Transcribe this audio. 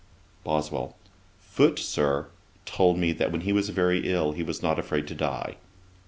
BOSWELL: 'Foote, Sir, told me, that when he was very ill he was not afraid to die.'